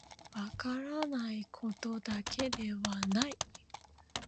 分からないことだけではない